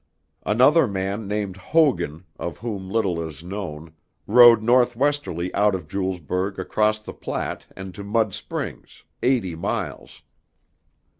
Another man named Hogan, of whom little is known, rode northwesterly out of Julesburg across the Platte and to Mud Springs, eighty miles.